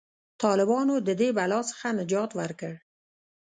طالبانو د دې بلا څخه نجات ورکړ.